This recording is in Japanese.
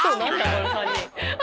この３人。